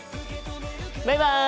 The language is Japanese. バイバイ！